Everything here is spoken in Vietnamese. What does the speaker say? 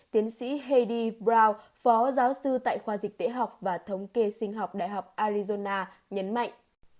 tiến sĩ heidi brown phó giáo sư tại khoa dịch tế học và thống kê sinh học đại học arizona nhấn mạnh